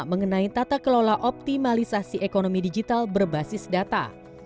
mengenai tata kelola optimalisasi ekonomi digital berbasis data